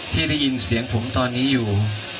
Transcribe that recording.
ที่ได้ยินเสียงผมตอนนี้อยู่